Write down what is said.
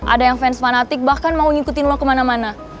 ada yang fans fanatik bahkan mau ngikutin lo kemana mana